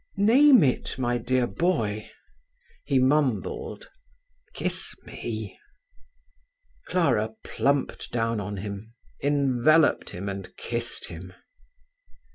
"Name it, my dear boy." He mumbled, "... kiss me." Clara plumped down on him, enveloped him and kissed him.